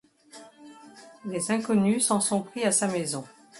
Des inconnus s'en sont pris à sa maison.